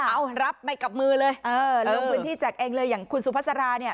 เอารับไปกับมือเลยเออลงพื้นที่แจกเองเลยอย่างคุณสุภาษาราเนี่ย